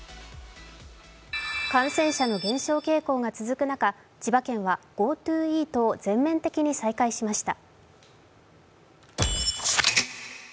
感染者の減少傾向が続く中、千葉県はＧｏＴｏイートを全面的に再開しました。